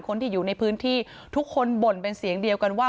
คนที่อยู่ในพื้นที่ทุกคนบ่นเป็นเสียงเดียวกันว่า